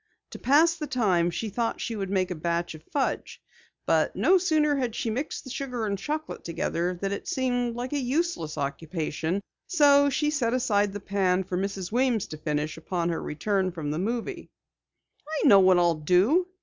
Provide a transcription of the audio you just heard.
To pass the time, she thought she would make a batch of fudge. But, no sooner had she mixed the sugar and chocolate together than it seemed like a useless occupation, so she set aside the pan for Mrs. Weems to finish upon her return from the movie. "I know what I'll do!"